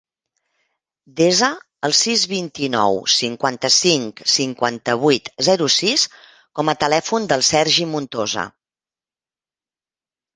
Desa el sis, vint-i-nou, cinquanta-cinc, cinquanta-vuit, zero, sis com a telèfon del Sergi Montosa.